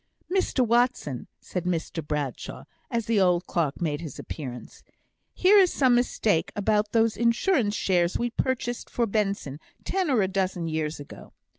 "Mr Watson," said Mr Bradshaw, as the old clerk made his appearance, "here is some mistake about those Insurance shares we purchased for Benson ten or a dozen years ago.